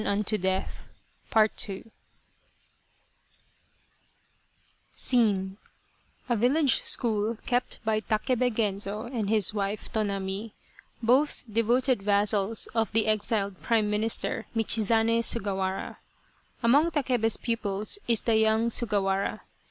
194 PART II SCENE : A village school kept by Takebe Genzo and his wife Tonami, both devoted vassals of the exiled Prime Minister, Michizane Sugawara. Among Takebe's pupils is the young Sugawara.